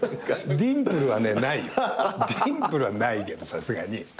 ディンプルはないけどさすがに。